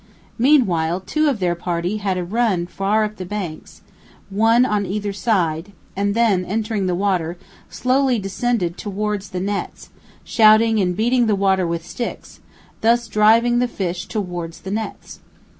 Meanwhile two of their party had run far up the banks, one on either side, and then, entering the water, slowly descended towards the nets, shouting and beating the water with sticks, thus driving the fish towards the nets.